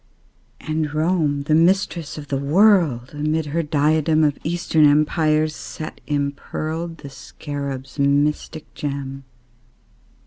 And Rome, the Mistress of the World, Amid her diadem Of Eastern Empires set impearled The Scarab's mystic gem.